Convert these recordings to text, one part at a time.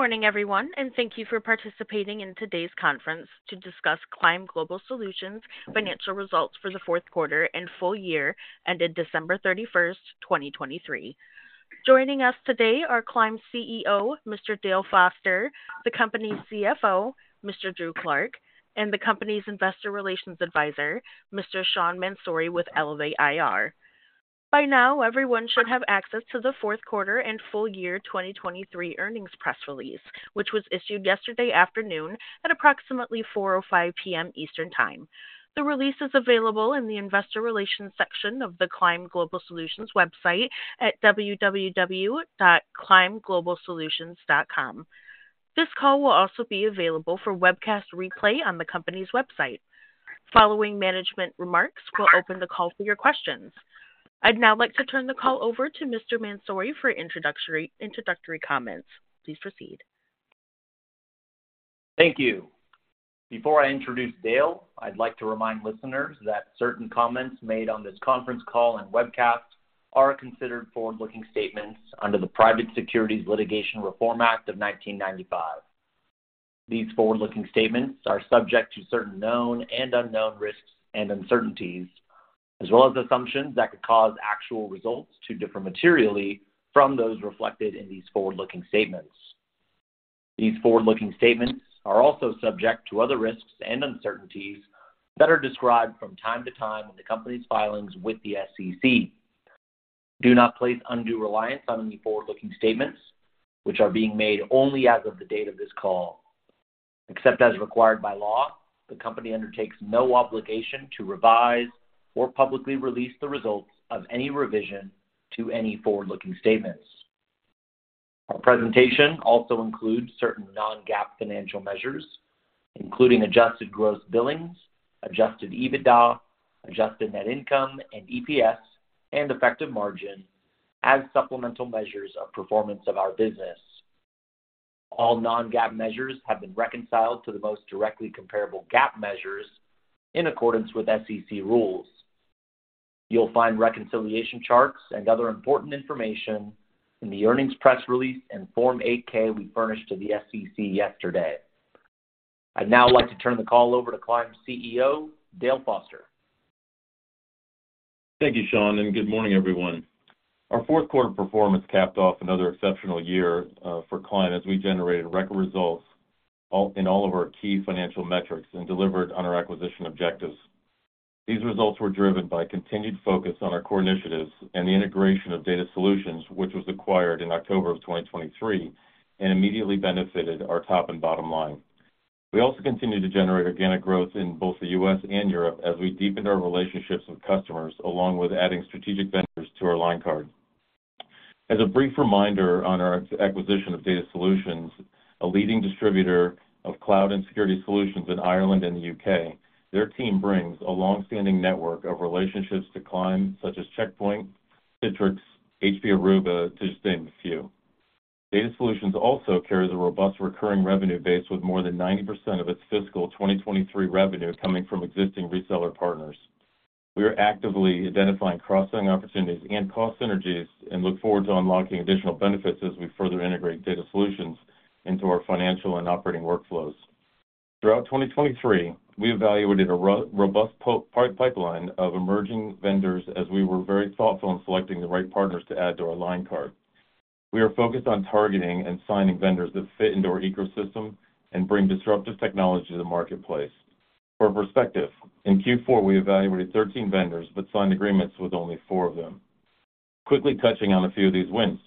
Good morning, everyone, and thank you for participating in today's conference to discuss Climb Global Solutions' financial results for the fourth quarter and full year ended December 31, 2023. Joining us today are Climb's CEO, Mr. Dale Foster, the company's CFO, Mr. Drew Clark, and the company's investor relations advisor, Mr. Sean Mansouri with Elevate IR. By now, everyone should have access to the fourth quarter and full year 2023 earnings press release, which was issued yesterday afternoon at approximately 4:05 P.M. Eastern Time. The release is available in the investor relations section of the Climb Global Solutions website at www.climbglobalsolutions.com. This call will also be available for webcast replay on the company's website. Following management remarks, we'll open the call for your questions. I'd now like to turn the call over to Mr. Mansouri for introductory comments. Please proceed. Thank you. Before I introduce Dale, I'd like to remind listeners that certain comments made on this conference call and webcast are considered forward-looking statements under the Private Securities Litigation Reform Act of 1995. These forward-looking statements are subject to certain known and unknown risks and uncertainties, as well as assumptions that could cause actual results to differ materially from those reflected in these forward-looking statements. These forward-looking statements are also subject to other risks and uncertainties that are described from time to time in the company's filings with the SEC. Do not place undue reliance on any forward-looking statements, which are being made only as of the date of this call. Except as required by law, the company undertakes no obligation to revise or publicly release the results of any revision to any forward-looking statements. Our presentation also includes certain non-GAAP financial measures, including adjusted gross billings, adjusted EBITDA, adjusted net income and EPS, and effective margin as supplemental measures of performance of our business. All non-GAAP measures have been reconciled to the most directly comparable GAAP measures in accordance with SEC rules. You'll find reconciliation charts and other important information in the earnings press release and Form 8-K we furnished to the SEC yesterday. I'd now like to turn the call over to Climb's CEO, Dale Foster. Thank you, Sean, and good morning, everyone. Our fourth quarter performance capped off another exceptional year for Climb as we generated record results in all of our key financial metrics and delivered on our acquisition objectives. These results were driven by continued focus on our core initiatives and the integration of DataSolutions, which was acquired in October of 2023 and immediately benefited our top and bottom line. We also continue to generate organic growth in both the U.S. and Europe as we deepen our relationships with customers, along with adding strategic vendors to our line card. As a brief reminder on our acquisition of DataSolutions, a leading distributor of cloud and security solutions in Ireland and the U.K., their team brings a longstanding network of relationships to Climb Global Solutions, such as Check Point, Citrix, HPE Aruba, to name a few. DataSolutions also carries a robust recurring revenue base with more than 90% of its fiscal 2023 revenue coming from existing reseller partners. We are actively identifying cross-selling opportunities and cost synergies and look forward to unlocking additional benefits as we further integrate DataSolutions into our financial and operating workflows. Throughout 2023, we evaluated a robust pipeline of emerging vendors as we were very thoughtful in selecting the right partners to add to our line card. We are focused on targeting and signing vendors that fit into our ecosystem and bring disruptive technology to the marketplace. For perspective, in Q4, we evaluated 13 vendors but signed agreements with only four of them. Quickly touching on a few of these wins.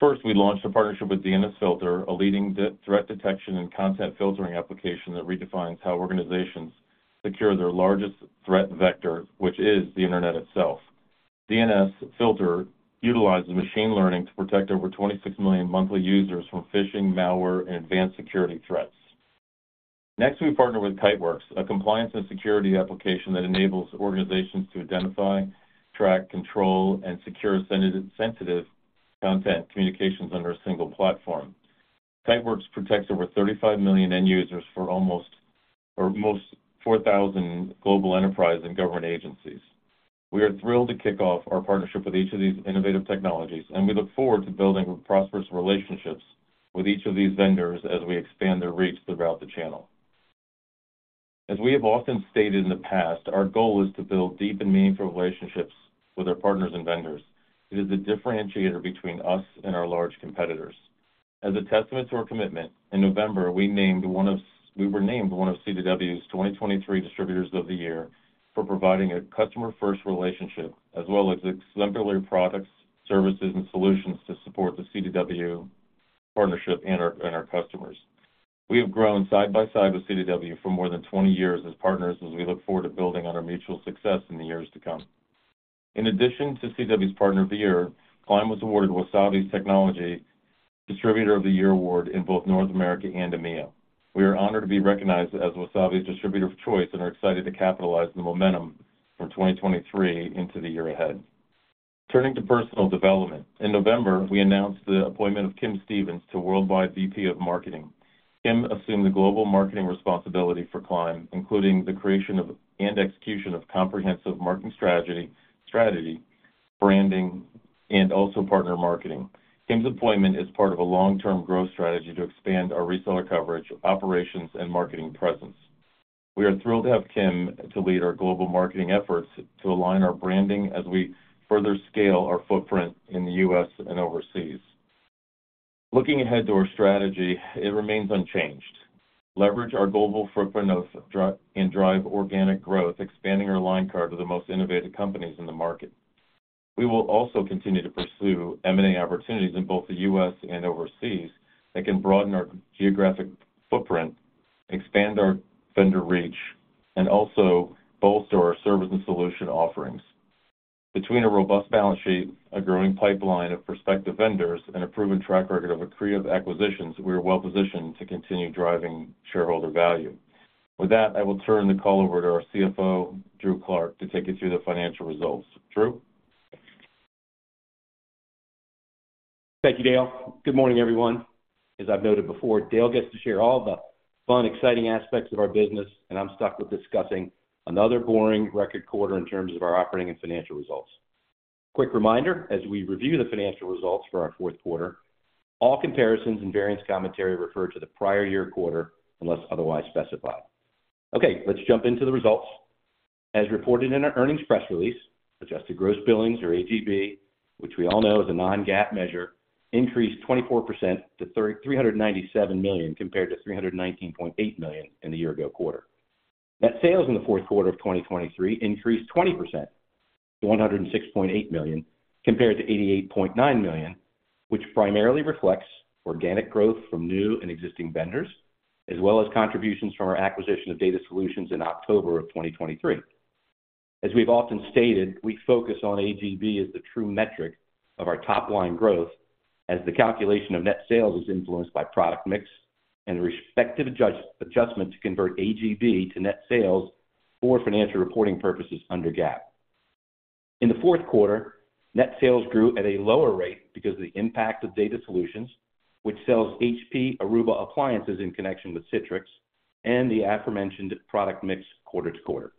First, we launched a partnership with DNSFilter, a leading threat detection and content filtering application that redefines how organizations secure their largest threat vector, which is the internet itself. DNSFilter utilizes machine learning to protect over 26 million monthly users from phishing, malware, and advanced security threats. Next, we partnered with Kiteworks, a compliance and security application that enables organizations to identify, track, control, and secure sensitive content communications under a single platform. Kiteworks protects over 35 million end users for almost 4,000 global enterprise and government agencies. We are thrilled to kick off our partnership with each of these innovative technologies, and we look forward to building prosperous relationships with each of these vendors as we expand their reach throughout the channel. As we have often stated in the past, our goal is to build deep and meaningful relationships with our partners and vendors. It is the differentiator between us and our large competitors. As a testament to our commitment, in November, we were named one of CDW's 2023 Distributors of the Year for providing a customer-first relationship as well as exemplary products, services, and solutions to support the CDW partnership and our customers. We have grown side by side with CDW for more than 20 years as partners, as we look forward to building on our mutual success in the years to come. In addition to CDW's Partner of the Year, Climb Global Solutions was awarded Wasabi's Technology Distributor of the Year Award in both North America and EMEA. We are honored to be recognized as Wasabi's distributor of choice and are excited to capitalize on the momentum from 2023 into the year ahead. Turning to personal development, in November, we announced the appointment of Kim Stevens to worldwide VP of Marketing. Kim assumed the global marketing responsibility for Climb, including the creation and execution of comprehensive marketing strategy, branding, and also partner marketing. Kim's appointment is part of a long-term growth strategy to expand our reseller coverage, operations, and marketing presence. We are thrilled to have Kim to lead our global marketing efforts to align our branding as we further scale our footprint in the U.S. and overseas. Looking ahead to our strategy, it remains unchanged. Leverage our global footprint and drive organic growth, expanding our line card to the most innovative companies in the market. We will also continue to pursue M&A opportunities in both the U.S. and overseas that can broaden our geographic footprint, expand our vendor reach, and also bolster our service and solution offerings. Between a robust balance sheet, a growing pipeline of prospective vendors, and a proven track record of accretive acquisitions, we are well positioned to continue driving shareholder value. With that, I will turn the call over to our CFO, Drew Clark, to take you through the financial results. Drew? Thank you, Dale. Good morning, everyone. As I've noted before, Dale gets to share all the fun, exciting aspects of our business, and I'm stuck with discussing another boring record quarter in terms of our operating and financial results. Quick reminder, as we review the financial results for our fourth quarter, all comparisons and variance commentary refer to the prior year quarter unless otherwise specified. Okay, let's jump into the results. As reported in our earnings press release, adjusted gross billings, or AGB, which we all know is a non-GAAP measure, increased 24% to $397 million compared to $319.8 million in the year-ago quarter. Net sales in the fourth quarter of 2023 increased 20% to $106.8 million compared to $88.9 million, which primarily reflects organic growth from new and existing vendors, as well as contributions from our acquisition of DataSolutions in October of 2023. As we've often stated, we focus on AGB as the true metric of our top-line growth, as the calculation of net sales is influenced by product mix and the respective adjustment to convert AGB to net sales for financial reporting purposes under GAAP. In the fourth quarter, net sales grew at a lower rate because of the impact of DataSolutions, which sells HPE Aruba appliances in connection with Citrix and the aforementioned product mix quarter to quarter.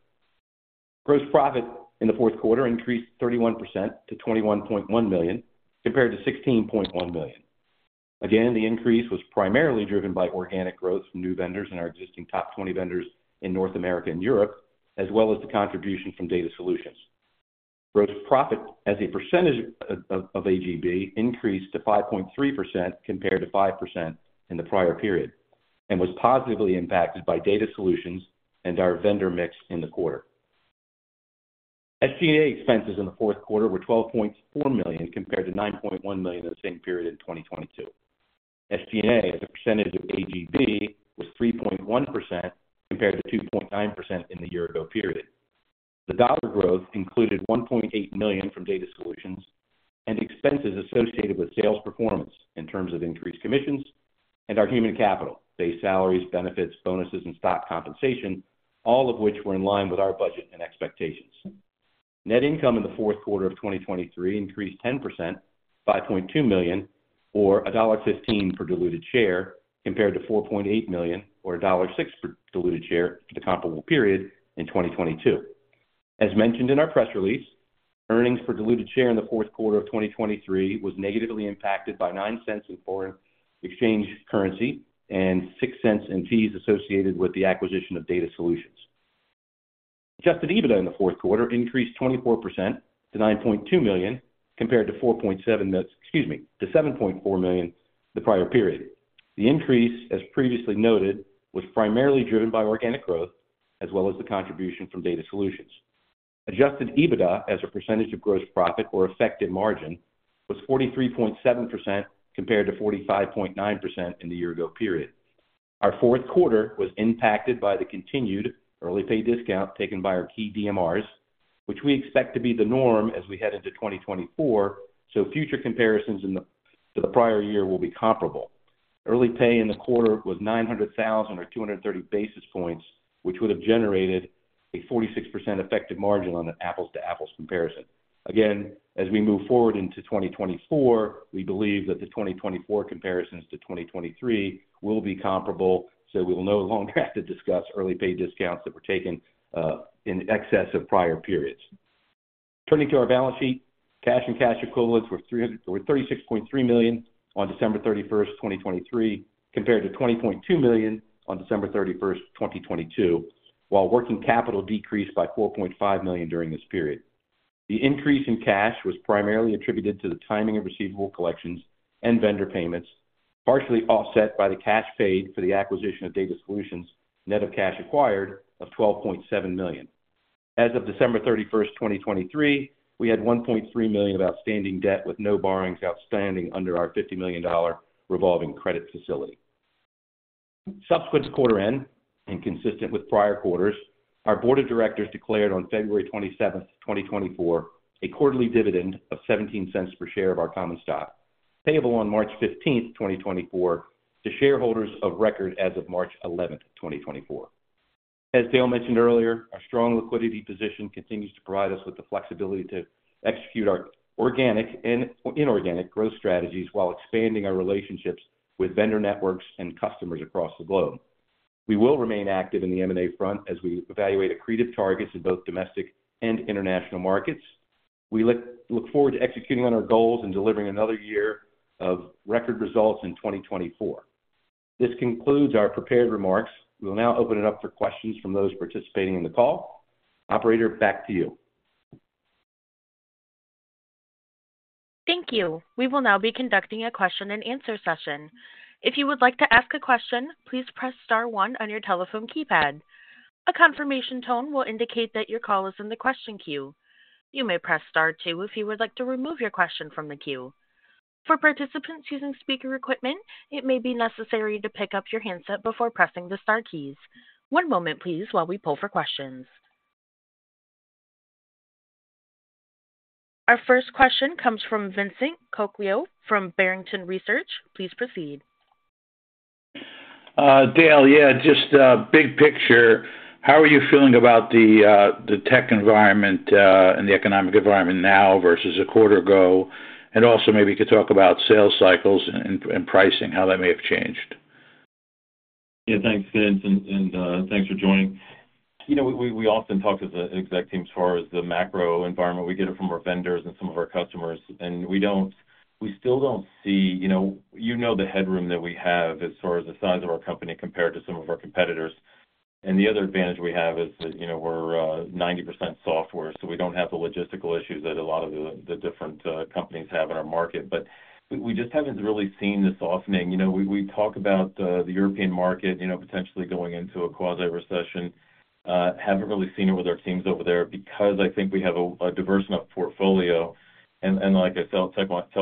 Gross profit in the fourth quarter increased 31% to $21.1 million compared to $16.1 million. Again, the increase was primarily driven by organic growth from new vendors in our existing top 20 vendors in North America and Europe, as well as the contribution from DataSolutions. Gross profit as a percentage of AGB increased to 5.3% compared to 5% in the prior period and was positively impacted by DataSolutions and our vendor mix in the quarter. SG&A expenses in the fourth quarter were $12.4 million compared to $9.1 million in the same period in 2022. SG&A as a percentage of AGB was 3.1% compared to 2.9% in the year-ago period. The dollar growth included $1.8 million from DataSolutions and expenses associated with sales performance in terms of increased commissions and our human capital based salaries, benefits, bonuses, and stock compensation, all of which were in line with our budget and expectations. Net income in the fourth quarter of 2023 increased 10%, $5.2 million, or $1.15 per diluted share compared to $4.8 million, or $1.06 per diluted share for the comparable period in 2022. As mentioned in our press release, earnings per diluted share in the fourth quarter of 2023 was negatively impacted by $0.09 in foreign exchange currency and $0.06 in fees associated with the acquisition of DataSolutions. Adjusted EBITDA in the fourth quarter increased 24% to $9.2 million compared to 4.7 excuse me, to $7.4 million the prior period. The increase, as previously noted, was primarily driven by organic growth as well as the contribution from DataSolutions. Adjusted EBITDA as a percentage of gross profit or effective margin was 43.7% compared to 45.9% in the year-ago period. Our fourth quarter was impacted by the continued early pay discount taken by our key DMRs, which we expect to be the norm as we head into 2024 so future comparisons to the prior year will be comparable. Early pay in the quarter was $900,000 or 230 basis points, which would have generated a 46% effective margin on an apples-to-apples comparison. Again, as we move forward into 2024, we believe that the 2024 comparisons to 2023 will be comparable, so we will no longer have to discuss early pay discounts that were taken in excess of prior periods. Turning to our balance sheet, cash and cash equivalents were $36.3 million on December 31, 2023, compared to $20.2 million on December 31, 2022, while working capital decreased by $4.5 million during this period. The increase in cash was primarily attributed to the timing of receivable collections and vendor payments, partially offset by the cash paid for the acquisition of DataSolutions, net of cash acquired, of $12.7 million. As of December 31, 2023, we had $1.3 million of outstanding debt with no borrowings outstanding under our $50 million revolving credit facility. Subsequent to quarter end, and consistent with prior quarters, our Board of Directors declared on February 27, 2024, a quarterly dividend of $0.17 per share of our common stock payable on March 15, 2024, to shareholders of record as of March 11, 2024. As Dale mentioned earlier, our strong liquidity position continues to provide us with the flexibility to execute our organic and inorganic growth strategies while expanding our relationships with vendor networks and customers across the globe. We will remain active in the M&A front as we evaluate accretive targets in both domestic and international markets. We look forward to executing on our goals and delivering another year of record results in 2024. This concludes our prepared remarks. We will now open it up for questions from those participating in the call. Operator, back to you. Thank you. We will now be conducting a question-and-answer session. If you would like to ask a question, please press star one on your telephone keypad. A confirmation tone will indicate that your call is in the question queue. You may press star two if you would like to remove your question from the queue. For participants using speaker equipment, it may be necessary to pick up your handset before pressing the star keys. One moment, please, while we pull for questions. Our first question comes from Vincent Colicchio from Barrington Research. Please proceed. Dale, yeah, just big picture. How are you feeling about the tech environment and the economic environment now versus a quarter ago? And also maybe you could talk about sales cycles and pricing, how that may have changed? Yeah, thanks, Vince, and thanks for joining. We often talk to the exec team as far as the macro environment. We get it from our vendors and some of our customers. And we still don't see you know the headroom that we have as far as the size of our company compared to some of our competitors. And the other advantage we have is that we're 90% software, so we don't have the logistical issues that a lot of the different companies have in our market. But we just haven't really seen the softening. We talk about the European market potentially going into a quasi-recession. Haven't really seen it with our teams over there because I think we have a diverse enough portfolio. And like I tell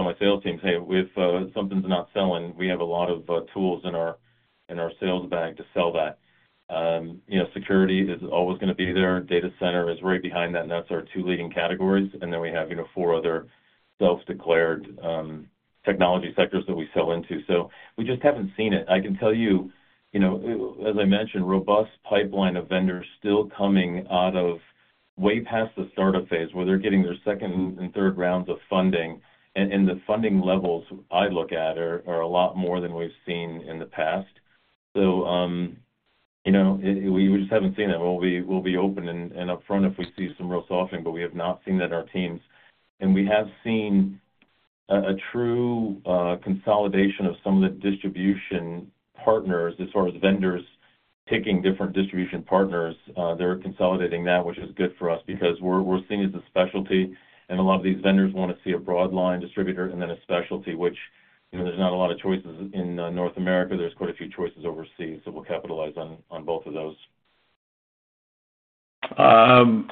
my sales teams, "Hey, if something's not selling, we have a lot of tools in our sales bag to sell that." Security is always going to be there. Data center is right behind that, and that's our 2 leading categories. And then we have 4 other self-declared technology sectors that we sell into. So we just haven't seen it. I can tell you, as I mentioned, robust pipeline of vendors still coming out of way past the startup phase where they're getting their second and third rounds of funding. And the funding levels I look at are a lot more than we've seen in the past. So we just haven't seen that. We'll be open and upfront if we see some real softening, but we have not seen that in our teams. We have seen a true consolidation of some of the distribution partners as far as vendors picking different distribution partners. They're consolidating that, which is good for us because we're seen as a specialty. A lot of these vendors want to see a broadline distributor and then a specialty, which there's not a lot of choices in North America. There's quite a few choices overseas, so we'll capitalize on both of those. The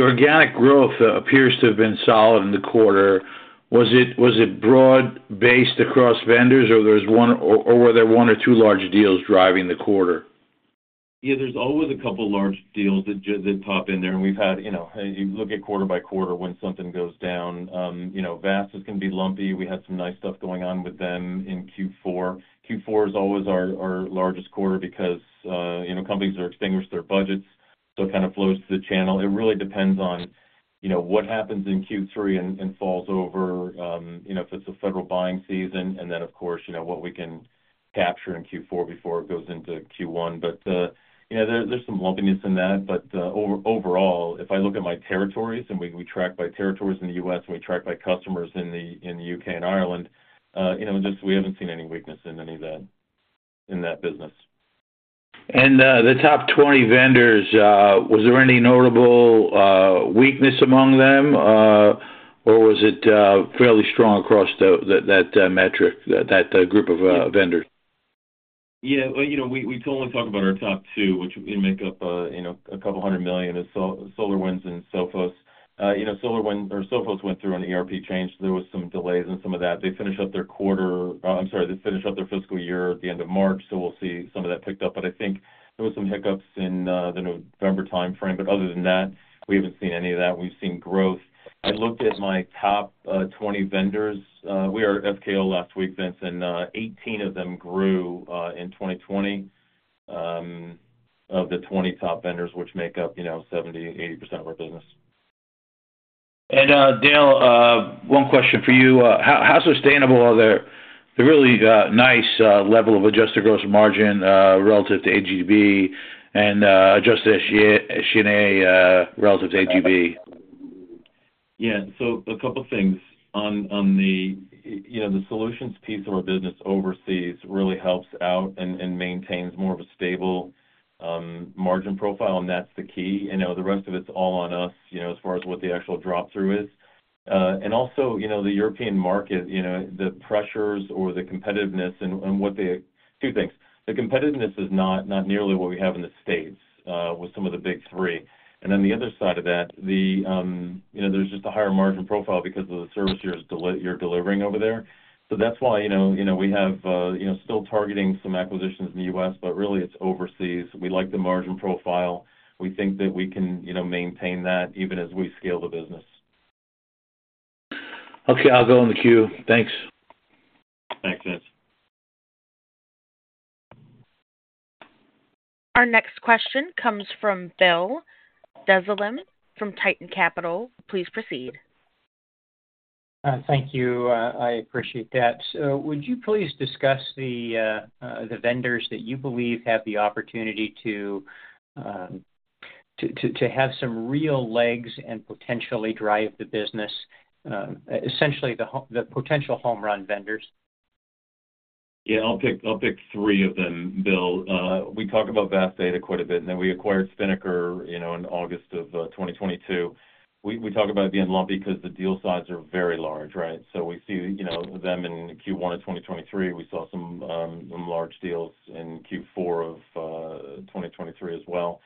organic growth appears to have been solid in the quarter. Was it broad-based across vendors, or were there one or two large deals driving the quarter? Yeah, there's always a couple of large deals that pop in there. We've had you look at quarter by quarter when something goes down. VAST is going to be lumpy. We had some nice stuff going on with them in Q4. Q4 is always our largest quarter because companies are extinguishing their budgets, so it kind of flows through the channel. It really depends on what happens in Q3 and falls over, if it's a federal buying season, and then, of course, what we can capture in Q4 before it goes into Q1. But there's some lumpiness in that. But overall, if I look at my territories and we track by territories in the U.S. and we track by customers in the U.K. and Ireland, just, we haven't seen any weakness in any of that business. And the top 20 vendors, was there any notable weakness among them, or was it fairly strong across that metric, that group of vendors? Yeah, we can only talk about our top two, which make up $200 million, is SolarWinds and Sophos. SolarWinds or Sophos went through an ERP change. There was some delays in some of that. They finished up their quarter. I'm sorry, they finished up their fiscal year at the end of March, so we'll see some of that picked up. But I think there were some hiccups in the November timeframe. But other than that, we haven't seen any of that. We've seen growth. I looked at my top 20 vendors. We were at SKO last week, Vince, and 18 of them grew in 2020 of the 20 top vendors, which make up 70% to 80% of our business. And Dale, one question for you. How sustainable are the really nice level of adjusted gross margin relative to AGB and adjusted SG&A relative to AGB? Yeah, so a couple of things. On the solutions piece of our business overseas really helps out and maintains more of a stable margin profile, and that's the key. The rest of it's all on us as far as what the actual drop-through is. And also, the European market, the pressures or the competitiveness and what they two things. The competitiveness is not nearly what we have in the States with some of the big three. And then the other side of that, there's just a higher margin profile because of the service you're delivering over there. So that's why we have still targeting some acquisitions in the U.S., but really, it's overseas. We like the margin profile. We think that we can maintain that even as we scale the business. Okay, I'll go on the queue. Thanks. Thanks, Vince. Our next question comes from Bill Dezellem from Tieton Capital. Please proceed. Thank you. I appreciate that. Would you please discuss the vendors that you believe have the opportunity to have some real legs and potentially drive the business, essentially the potential home run vendors? Yeah, I'll pick three of them, Bill. We talk about VAST Data quite a bit, and then we acquired Spinnaker in August 2022. We talk about it being lumpy because the deal sizes are very large, right? So we see them in Q1 2023. We saw some large deals in Q4 2023 as well.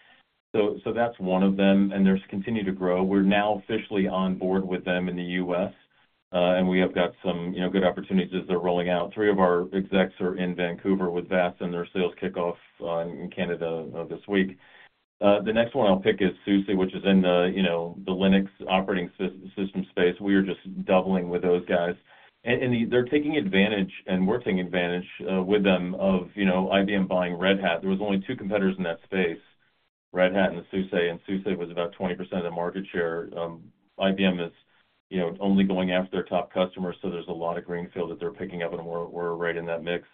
So that's one of them, and they're continuing to grow. We're now officially on board with them in the U.S., and we have got some good opportunities as they're rolling out. Three of our execs are in Vancouver with VAST Data, and their sales kickoff in Canada this week. The next one I'll pick is SUSE, which is in the Linux operating system space. We are just doubling with those guys. And they're taking advantage, and we're taking advantage with them, of IBM buying Red Hat. There were only two competitors in that space, Red Hat and SUSE, and SUSE was about 20% of the market share. IBM is only going after their top customers, so there's a lot of greenfield that they're picking up, and we're right in that mix.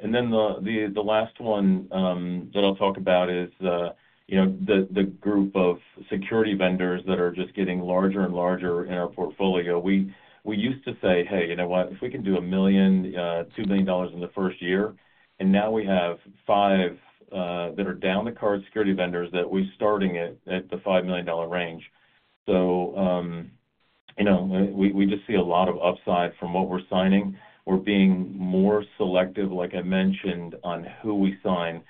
And then the last one that I'll talk about is the group of security vendors that are just getting larger and larger in our portfolio. We used to say, "Hey, you know what? If we can do $1 million, $2 million in the first year," and now we have five that are down-the-line security vendors that we're starting at the $5 million range. So we just see a lot of upside from what we're signing. We're being more selective, like I mentioned, on who we sign.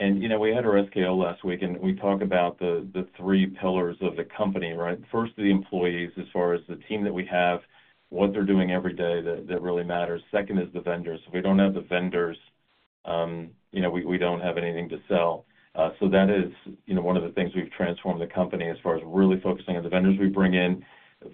And we had our SKO last week, and we talk about the three pillars of the company, right? First, the employees as far as the team that we have, what they're doing every day that really matters. Second is the vendors. If we don't have the vendors, we don't have anything to sell. So that is one of the things we've transformed the company as far as really focusing on the vendors we bring in,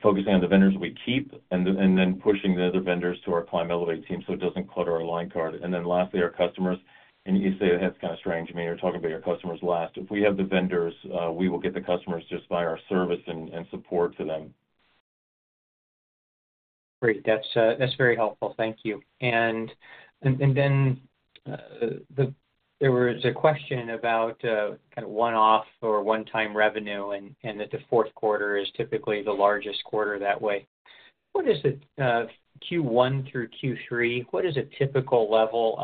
focusing on the vendors we keep, and then pushing the other vendors to our Climb Elevate team so it doesn't clutter our line card. And then lastly, our customers. And you say that's kind of strange. I mean, you're talking about your customers last. If we have the vendors, we will get the customers just by our service and support to them. Great. That's very helpful. Thank you. And then there was a question about kind of one-off or one-time revenue and that the fourth quarter is typically the largest quarter that way. What is it Q1 through Q3, what is a typical level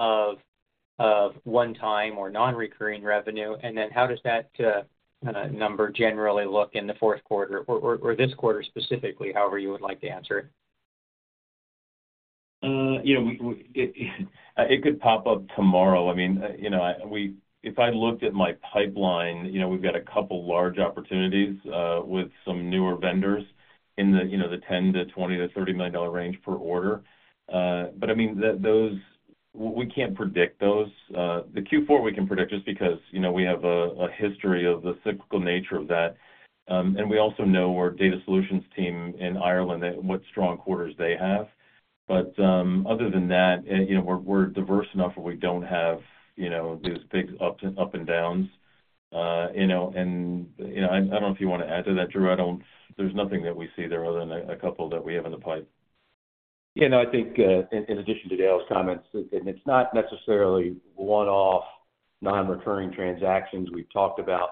of one-time or non-recurring revenue? And then how does that number generally look in the fourth quarter or this quarter specifically, however you would like to answer it? It could pop up tomorrow. I mean, if I looked at my pipeline, we've got a couple of large opportunities with some newer vendors in the $10 million to $20 millio to $30 million range per order. But I mean, we can't predict those. The Q4, we can predict just because we have a history of the cyclical nature of that. We also know our DataSolutions team in Ireland what strong quarters they have. But other than that, we're diverse enough where we don't have these big ups and downs. I don't know if you want to add to that, Drew. There's nothing that we see there other than a couple that we have in the pipe. Yeah, no, I think in addition to Dale's comments, and it's not necessarily one-off non-recurring transactions. We've talked about,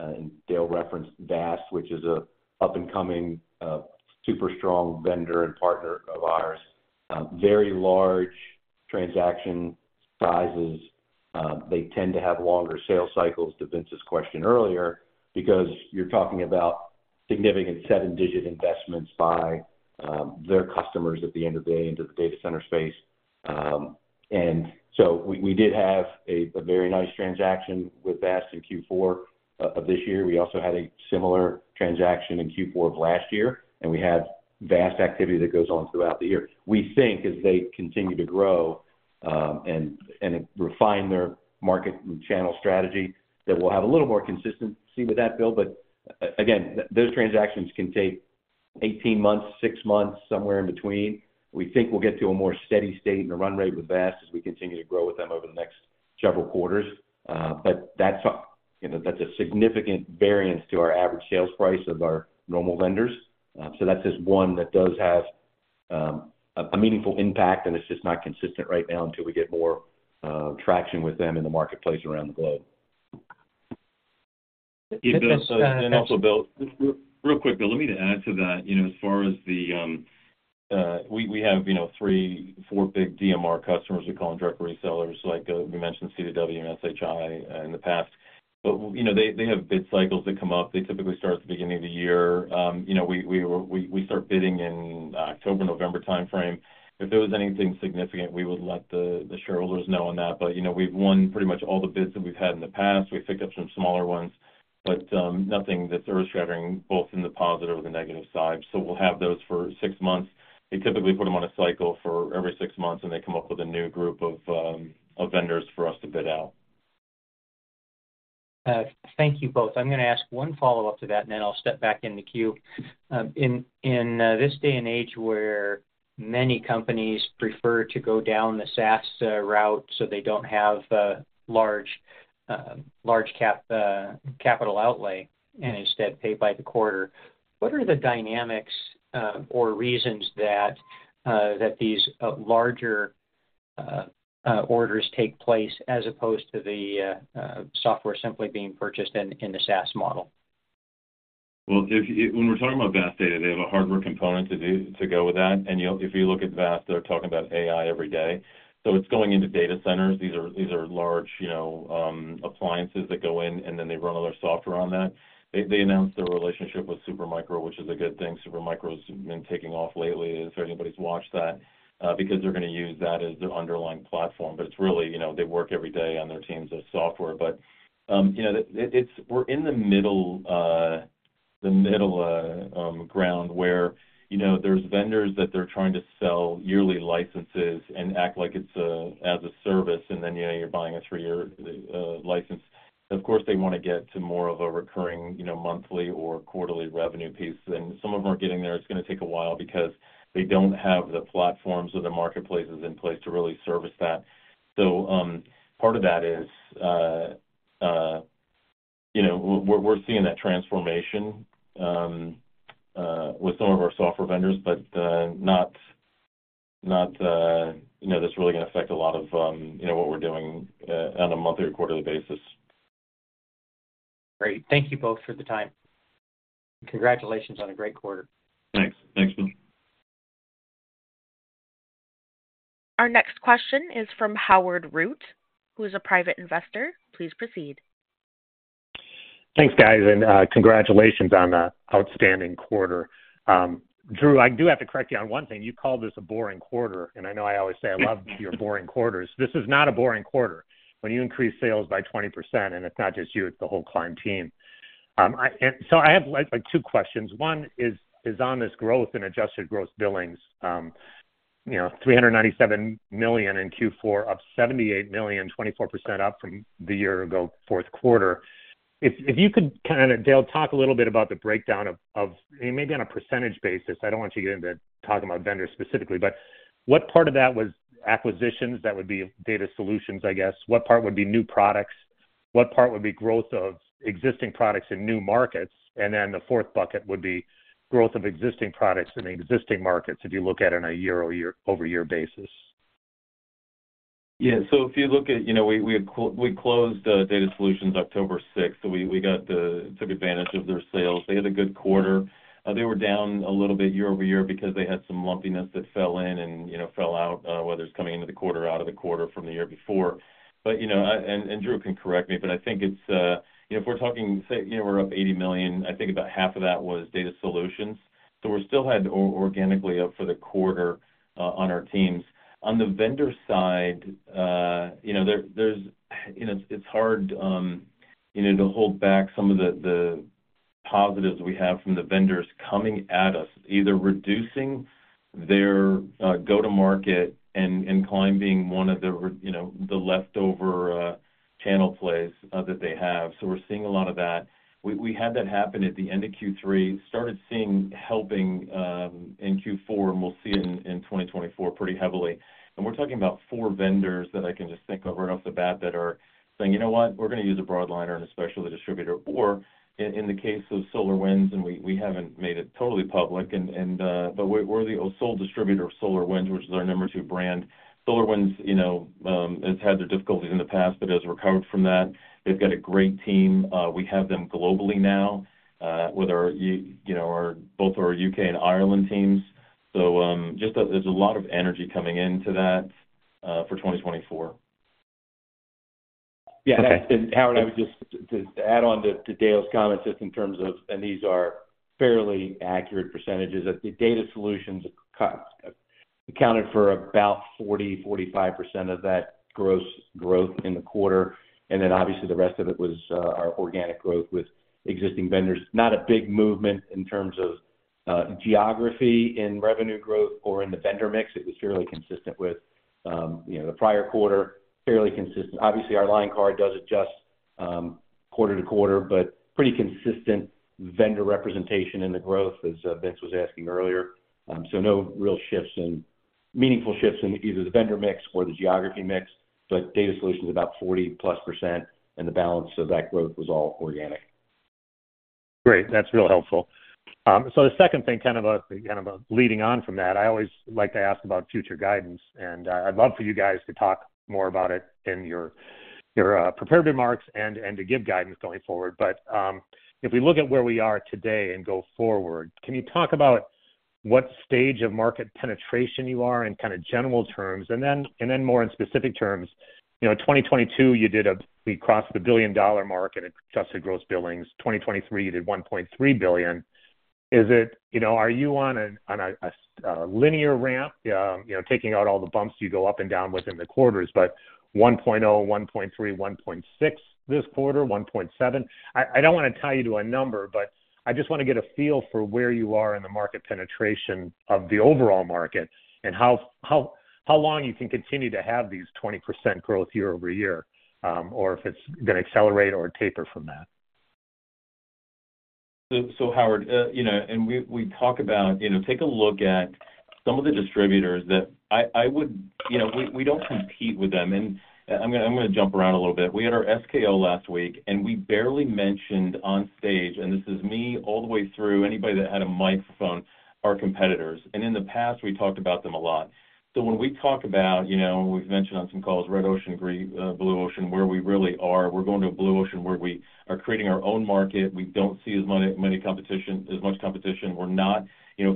and Dale referenced VAST, which is an up-and-coming super strong vendor and partner of ours. Very large transaction sizes. They tend to have longer sales cycles, to Vince's question earlier, because you're talking about significant seven-digit investments by their customers at the end of the day into the data center space. And so we did have a very nice transaction with VAST in Q4 of this year. We also had a similar transaction in Q4 of last year, and we have VAST activity that goes on throughout the year. We think as they continue to grow and refine their market and channel strategy that we'll have a little more consistency with that, Bill. But again, those transactions can take 18 months, six months, somewhere in between. We think we'll get to a more steady state and a run rate with VAST as we continue to grow with them over the next several quarters. But that's a significant variance to our average sales price of our normal vendors. So that's just one that does have a meaningful impact, and it's just not consistent right now until we get more traction with them in the marketplace around the globe. And also, Bill, real quick, but let me add to that. As far as we have three, four big DMR customers we call indirect resellers. We mentioned CDW and SHI in the past. But they have bid cycles that come up. They typically start at the beginning of the year. We start bidding in October, November timeframe. If there was anything significant, we would let the shareholders know on that. But we've won pretty much all the bids that we've had in the past. We've picked up some smaller ones, but nothing that's earth-shattering, both in the positive and the negative side. So we'll have those for six months. We typically put them on a cycle for every six months, and they come up with a new group of vendors for us to bid out. Thank you both. I'm going to ask one follow-up to that, and then I'll step back into the queue. In this day and age where many companies prefer to go down the SaaS route so they don't have large capital outlay and instead pay by the quarter, what are the dynamics or reasons that these larger orders take place as opposed to the software simply being purchased in the SaaS model? Well, when we're talking about VAST Data, they have a hardware component to go with that. And if you look at VAST Data, they're talking about AI every day. So it's going into data centers. These are large appliances that go in, and then they run other software on that. They announced their relationship with Supermicro, which is a good thing. Supermicro's been taking off lately. I don't know if anybody's watched that because they're going to use that as their underlying platform. But it's really they work every day on their teams of software. But we're in the middle ground where there's vendors that they're trying to sell yearly licenses and act like it's as a service, and then you're buying a three-year license. Of course, they want to get to more of a recurring monthly or quarterly revenue piece. And some of them are getting there. It's going to take a while because they don't have the platforms or the marketplaces in place to really service that. So part of that is we're seeing that transformation with some of our software vendors, but not that's really going to affect a lot of what we're doing on a monthly or quarterly basis. Great. Thank you both for the time. Congratulations on a great quarter. Thanks. Thanks, Bill. Our next question is from Howard Root, who is a private investor. Please proceed. Thanks, guys, and congratulations on that outstanding quarter. Drew, I do have to correct you on one thing. You call this a boring quarter, and I know I always say I love your boring quarters. This is not a boring quarter. When you increase sales by 20%, and it's not just you, it's the whole Climb team. So I have two questions. One is on this growth in adjusted gross billings, $397 million in Q4, up $78 million, 24% up from the year ago, fourth quarter. If you could kind of, Dale, talk a little bit about the breakdown of maybe on a percentage basis. I don't want you to get into talking about vendors specifically, but what part of that was acquisitions that would be DataSolutions, I guess? What part would be new products? What part would be growth of existing products in new markets? And then the fourth bucket would be growth of existing products in existing markets if you look at it on a year-over-year basis. Yeah, so if you look at, we closed DataSolutions October 6th, so we took advantage of their sales. They had a good quarter. They were down a little bit year-over-year because they had some lumpiness that fell in and fell out, whether it's coming into the quarter or out of the quarter from the year before. And Drew can correct me, but I think it's, if we're talking, say we're up $80 million. I think about half of that was DataSolutions. So we're still organically up for the quarter on our teams. On the vendor side, it's hard to hold back some of the positives we have from the vendors coming at us, either reducing their go-to-market and Climb being one of the leftover channel plays that they have. So we're seeing a lot of that. We had that happen at the end of Q3, started seeing help in Q4, and we'll see it in 2024 pretty heavily. We're talking about four vendors that I can just think of right off the bat that are saying, "You know what? We're going to use a broadliner and a specialty distributor." Or in the case of SolarWinds, and we haven't made it totally public, but we're the sole distributor of SolarWinds, which is our number two brand. SolarWinds has had their difficulties in the past, but has recovered from that. They've got a great team. We have them globally now with both our U.K. and Ireland teams. So just there's a lot of energy coming into that for 2024. Yeah, and Howard, I would just add on to Dale's comments just in terms of and these are fairly accurate percentages. DataSolutions accounted for about 40% to 45% of that gross growth in the quarter. And then obviously, the rest of it was our organic growth with existing vendors. Not a big movement in terms of geography in revenue growth or in the vendor mix. It was fairly consistent with the prior quarter, fairly consistent. Obviously, our Line Card does adjust quarter to quarter, but pretty consistent vendor representation in the growth, as Vince was asking earlier. So no real shifts and meaningful shifts in either the vendor mix or the geography mix. But DataSolutions about 40% plus, and the balance of that growth was all organic. Great. That's real helpful. So the second thing, kind of leading on from that, I always like to ask about future guidance. And I'd love for you guys to talk more about it in your preparatory remarks and to give guidance going forward. But if we look at where we are today and go forward, can you talk about what stage of market penetration you are in kind of general terms and then more in specific terms? In 2022, you did. We crossed the $1 billion mark in Adjusted Gross Billings. 2023, you did $1.3 billion. Are you on a linear ramp taking out all the bumps you go up and down within the quarters, but $1.0 billion, $1.3 billion, $1.6 billion this quarter, $1.7 billion? I don't want to tie you to a number, but I just want to get a feel for where you are in the market penetration of the overall market and how long you can continue to have these 20% growth year-over-year or if it's going to accelerate or taper from that? So, Howard, and we talk about, take a look at some of the distributors that I would we don't compete with them. And I'm going to jump around a little bit. We had our SKO last week, and we barely mentioned on stage, and this is me all the way through, anybody that had a microphone, our competitors. And in the past, we talked about them a lot. So when we talk about we've mentioned on some calls, Red Ocean, Blue Ocean, where we really are. We're going to a Blue Ocean where we are creating our own market. We don't see as much competition. We're not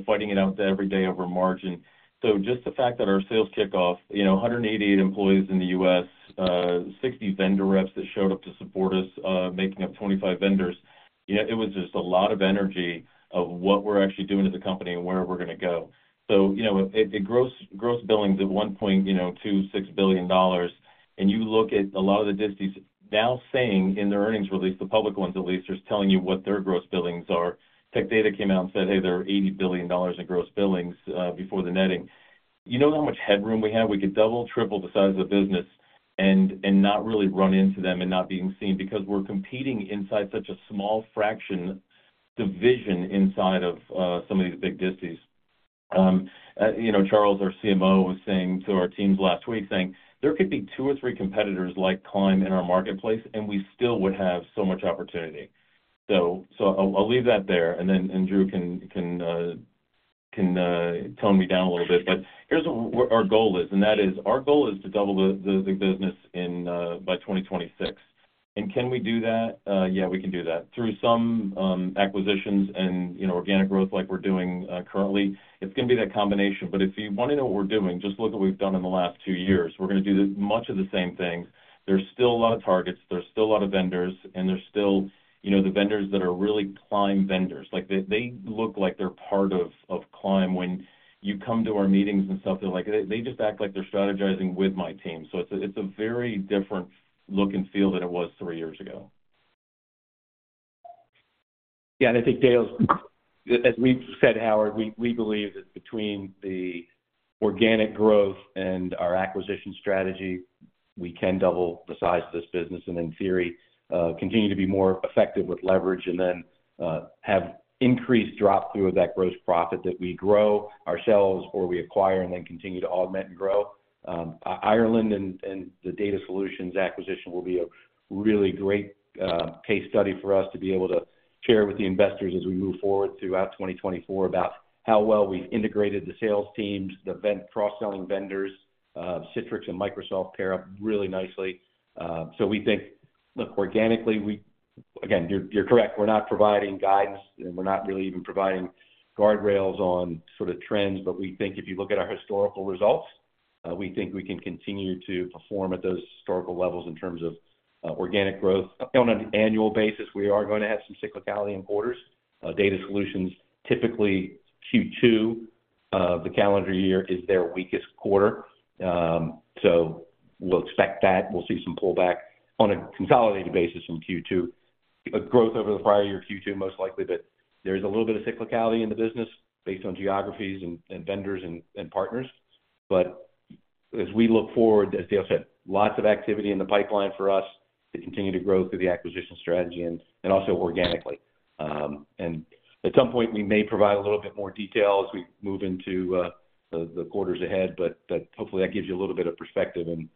fighting it out every day over margin. So just the fact that our sales kicked off, 188 employees in the U.S., 60 vendor reps that showed up to support us, making up 25 vendors, it was just a lot of energy of what we're actually doing as a company and where we're going to go. So gross billings at one point, $2.6 billion. And you look at a lot of the distributors now saying in their earnings release, the public ones at least, they're telling you what their gross billings are. Tech Data came out and said, "Hey, they're $80 billion in gross billings before the netting." You know how much headroom we have? We could double, triple the size of the business and not really run into them and not being seen because we're competing inside such a small fraction division inside of some of these big distributors. Charles, our CMO, was saying to our teams last week, saying, "There could be two or three competitors like Climb in our marketplace, and we still would have so much opportunity." So I'll leave that there, and then Drew can tone me down a little bit. But here's what our goal is, and that is our goal is to double the business by 2026. And can we do that? Yeah, we can do that. Through some acquisitions and organic growth like we're doing currently, it's going to be that combination. But if you want to know what we're doing, just look at what we've done in the last two years. We're going to do much of the same things. There's still a lot of targets. There's still a lot of vendors. And there's still the vendors that are really Climb vendors. They look like they're part of Climb. When you come to our meetings and stuff, they're like they just act like they're strategizing with my team. So it's a very different look and feel than it was three years ago. Yeah, and I think Dale's as we've said, Howard, we believe that between the organic growth and our acquisition strategy, we can double the size of this business and, in theory, continue to be more effective with leverage and then have increased drop-through of that gross profit that we grow ourselves or we acquire and then continue to augment and grow. Ireland and the DataSolutions acquisition will be a really great case study for us to be able to share with the investors as we move forward throughout 2024 about how well we've integrated the sales teams, the cross-selling vendors, Citrix and Microsoft pair up really nicely. So we think, look, organically, we again, you're correct. We're not providing guidance, and we're not really even providing guardrails on sort of trends. But we think if you look at our historical results, we think we can continue to perform at those historical levels in terms of organic growth. On an annual basis, we are going to have some cyclicality in quarters. DataSolutions, typically Q2 of the calendar year is their weakest quarter. So we'll expect that. We'll see some pullback on a consolidated basis from Q2, a growth over the prior year Q2 most likely. But there is a little bit of cyclicality in the business based on geographies and vendors and partners. But as we look forward, as Dale said, lots of activity in the pipeline for us to continue to grow through the acquisition strategy and also organically. At some point, we may provide a little bit more detail as we move into the quarters ahead, but hopefully, that gives you a little bit of perspective and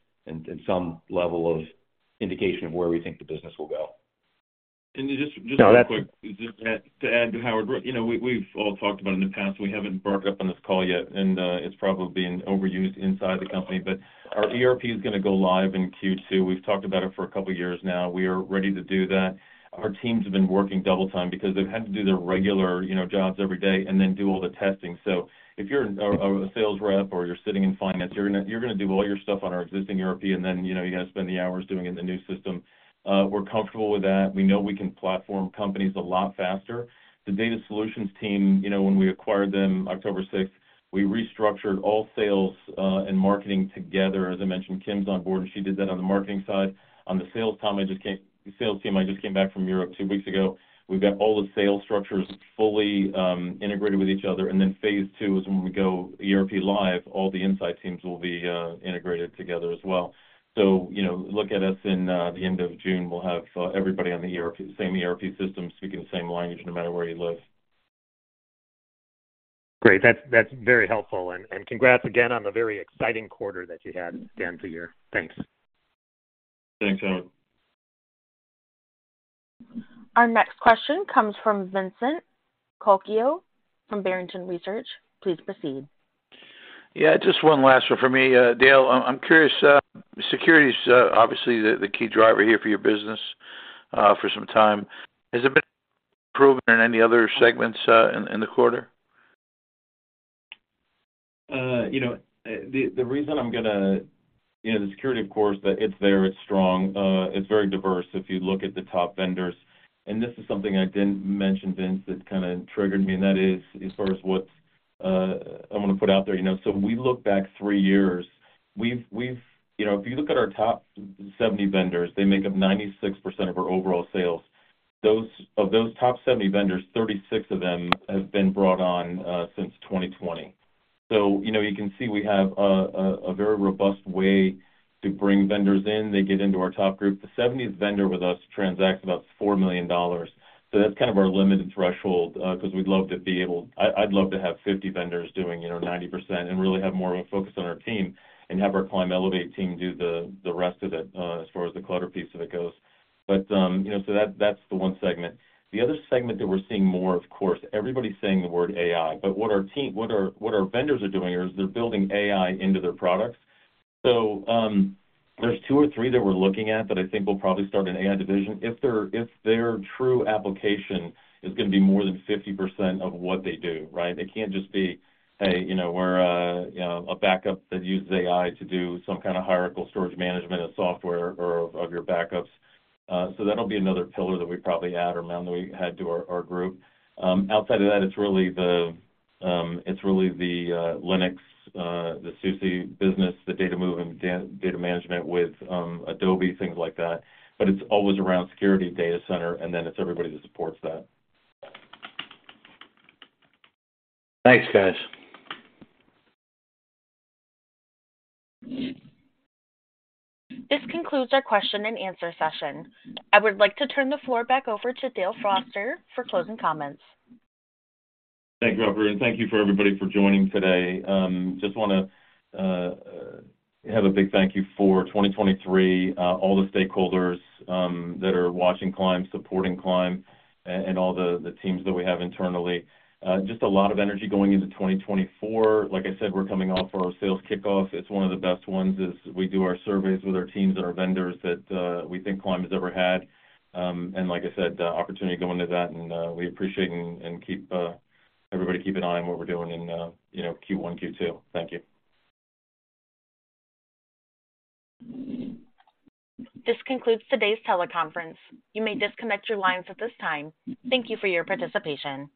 some level of indication of where we think the business will go. And just real quick, to add to Howard Root, we've all talked about it in the past, and we haven't brought it up on this call yet, and it's probably being overused inside the company. But our ERP is going to go live in Q2. We've talked about it for a couple of years now. We are ready to do that. Our teams have been working double time because they've had to do their regular jobs every day and then do all the testing. So if you're a sales rep or you're sitting in finance, you're going to do all your stuff on our existing ERP, and then you got to spend the hours doing it in the new system. We're comfortable with that. We know we can platform companies a lot faster. The DataSolutions team, when we acquired them October 6, we restructured all sales and marketing together. As I mentioned, Kim's on board, and she did that on the marketing side. On the sales side, I just came back from Europe two weeks ago. We've got all the sales structures fully integrated with each other. And then phase two is when we go ERP live. All the inside teams will be integrated together as well. So look at us in the end of June. We'll have everybody on the same ERP system, speaking the same language no matter where you live. Great. That's very helpful. Congrats again on the very exciting quarter that you had, Dale. Thank you. Thanks, Howard. Our next question comes from Vincent Colicchio from Barrington Research. Please proceed. Yeah, just one last one for me. Dale, I'm curious. Security is obviously the key driver here for your business for some time. Has there been improvement in any other segments in the quarter? The reason I'm going to the security, of course, it's there. It's strong. It's very diverse if you look at the top vendors. And this is something I didn't mention, Vince, that kind of triggered me, and that is as far as what I want to put out there. So we look back three years. If you look at our top 70 vendors, they make up 96% of our overall sales. Of those top 70 vendors, 36 of them have been brought on since 2020. So you can see we have a very robust way to bring vendors in. They get into our top group. The 70 vendor with us transacts about $4 million. So that's kind of our limit and threshold because we'd love to be able. I'd love to have 50 vendors doing 90% and really have more of a focus on our team and have our Climb Elevate team do the rest of it as far as the clutter piece of it goes. So that's the one segment. The other segment that we're seeing more, of course, everybody's saying the word AI. But what our vendors are doing is they're building AI into their products. So there's two or three that we're looking at that I think will probably start an AI division if their true application is going to be more than 50% of what they do, right? It can't just be, "Hey, we're a backup that uses AI to do some kind of hierarchical storage management of software or of your backups." So that'll be another pillar that we probably add or mount that we add to our group. Outside of that, it's really the Linux, the SUSE business, the data move and data management with Adobe, things like that. But it's always around security, data center, and then it's everybody that supports that. Thanks, guys. This concludes our question and answer session. I would like to turn the floor back over to Dale Foster for closing comments. Thanks, Robert. And thank you for everybody for joining today. Just want to have a big thank you for 2023, all the stakeholders that are watching Climb, supporting Climb, and all the teams that we have internally. Just a lot of energy going into 2024. Like I said, we're coming off our sales kickoff. It's one of the best ones is we do our surveys with our teams and our vendors that we think Climb has ever had. And like I said, opportunity going to that, and we appreciate and keep everybody keep an eye on what we're doing in Q1, Q2. Thank you. This concludes today's teleconference. You may disconnect your lines at this time. Thank you for your participation.